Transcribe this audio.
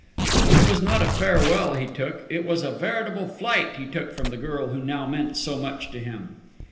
It was not a farewell he took it was a veritable flight he took from the girl who now meant so much to him!